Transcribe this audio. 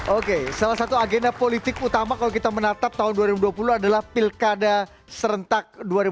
oke salah satu agenda politik utama kalau kita menatap tahun dua ribu dua puluh adalah pilkada serentak dua ribu dua puluh